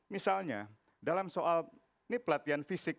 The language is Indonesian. misalnya dalam soal ini pelatihan fisik